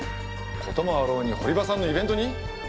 こともあろうに堀場さんのイベントに？